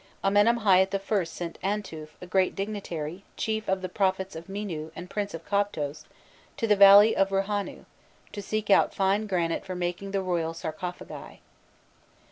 Amenemhâît I. sent Antuf, a great dignitary, chief of the prophets of Mînû and prince of Koptos, to the valley of Rohanû, to seek out fine granite for making the royal sarcophagi.